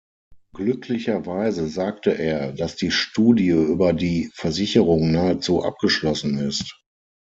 Glücklicherweise sagte er, dass die Studie über die Versicherung nahezu abgeschlossen ist.